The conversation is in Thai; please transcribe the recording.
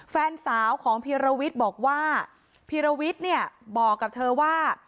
แฟนสาวของเพียรวิตบอกว่าเพียรวิตเนี่ยบอกกับเธอว่า